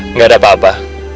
enggak ada apa apa